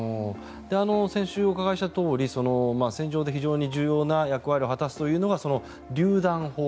先週お伺いしたとおり戦場で非常に重要な役割を果たすというのがりゅう弾砲。